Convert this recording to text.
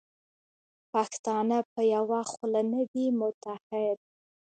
پښتانه په یوه خوله نه دي متحد.